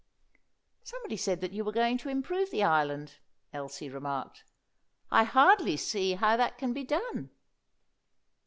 "Somebody said that you were going to improve the island," Elsie remarked. "I hardly see how that can be done."